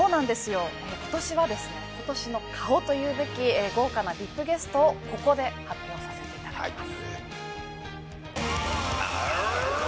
今年は、今年の顔というべき豪華なＶＩＰゲストをここで発表させていただきます。